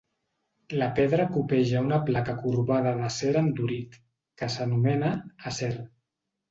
La pedra copeja una placa corbada d'acer endurit, que s'anomena "acer".